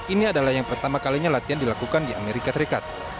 ini adalah yang pertama kalinya latihan dilakukan di amerika serikat